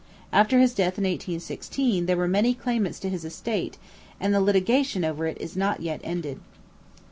After his death in 1816 there were many claimants to his estate, and the litigation over it is not yet ended.